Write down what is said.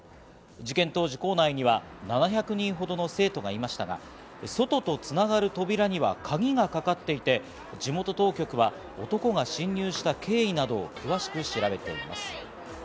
事件当時、校内には７００人ほどの生徒がいましたが、外とつながる扉には鍵がかかっていて、地元当局は男が侵入した経緯などを詳しく調べています。